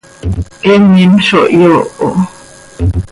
Eenim zo hyooho.